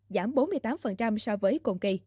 giảm bốn mươi tám so với cùng kỳ